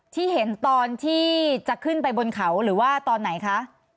ที่เห็นตอนที่จะขึ้นไปบนเขาหรือว่าตอนไหนคะ